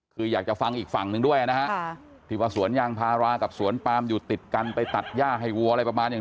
คืออยากจะฟังอีกฝั่งหนึ่งด้วยนะฮะที่ว่าสวนยางพารากับสวนปามอยู่ติดกันไปตัดย่าให้วัวอะไรประมาณอย่าง